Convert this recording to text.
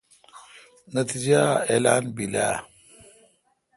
نتییجہ اعلان بیل آ؟